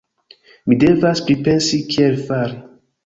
Mi devas pripensi kiel fari.